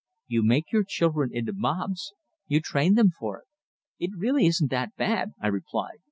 "You make your children into mobs! You train them for it!" "It really isn't that bad," I replied.